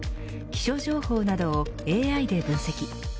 気象情報などをＡＩで分析。